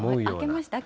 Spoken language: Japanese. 明けました？